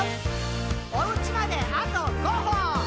「おうちまであと５歩！」